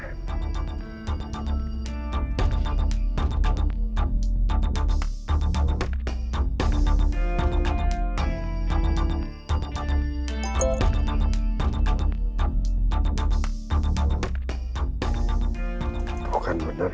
kamu tahu kan benar